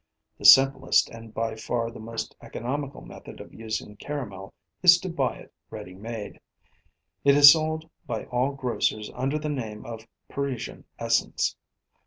The simplest and by far the most economical method of using caramel is to buy it ready made. It is sold by all grocers under the name of Parisian Essence.